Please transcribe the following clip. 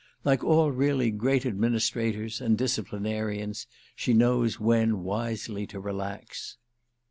Like all really great administrators and disciplinarians she knows when wisely to relax."